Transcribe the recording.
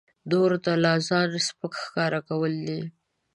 نورو ته لا ځان سپک ښکاره کول دي.